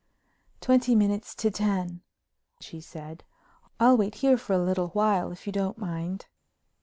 "Twenty minutes to ten," she said. "I'll wait here for a little while if you don't mind."